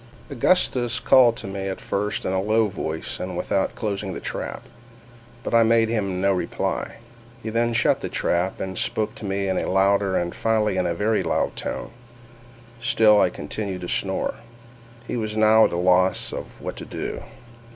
Augustus called to me at first in a low voice and without closing the trap—but I made him no reply. He then shut the trap, and spoke to me in a louder, and finally in a very loud tone—still I continued to snore. He was now at a loss what to do.